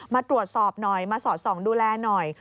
มาตรวจสอบหน่อยมาสอดส่องดูแลหน่อย